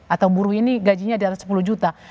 atau buruh ini gajinya di atas sepuluh juta